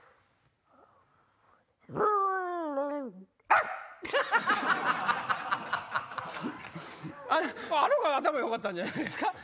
あの子が頭よかったんじゃないですか？